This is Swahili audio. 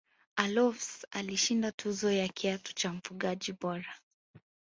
allofs alishinda tuzo ya kiatu cha mfungaji bora